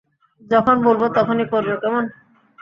যখন বলব তখনই করবে, কেমন?